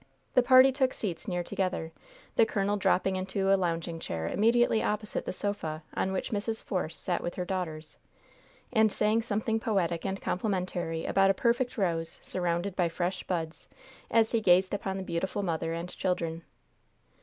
The party took seats near together, the colonel dropping into a lounging chair immediately opposite the sofa on which Mrs. Force sat with her daughters and saying something poetic and complimentary about a perfect rose surrounded by fresh buds, as he gazed upon the beautiful mother and children.